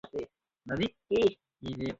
কারণ আমি তার পছন্দের কাছে বাঁধ সাধতে চাইনা।